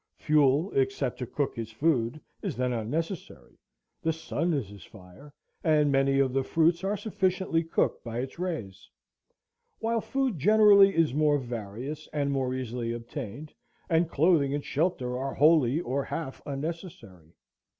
Fuel, except to cook his Food, is then unnecessary; the sun is his fire, and many of the fruits are sufficiently cooked by its rays; while Food generally is more various, and more easily obtained, and Clothing and Shelter are wholly or half unnecessary.